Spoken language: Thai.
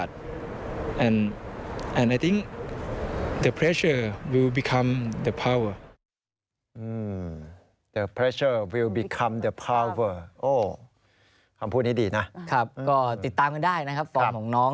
ก็ติดตามกันได้นะครับฟอร์มของน้อง